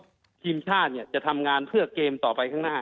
เพราะว่าโค้ดทีมชาติเนี่ยจะทำงานเพื่อเกมต่อไปข้างหน้า